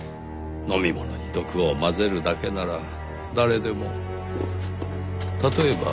飲み物に毒を混ぜるだけなら誰でも。